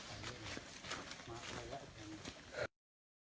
สวัสดีครับสวัสดีครับ